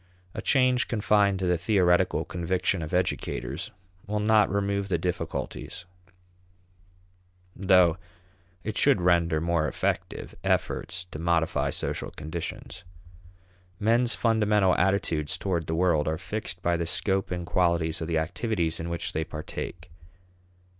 A change confined to the theoretical conviction of educators will not remove the difficulties, though it should render more effective efforts to modify social conditions. Men's fundamental attitudes toward the world are fixed by the scope and qualities of the activities in which they partake.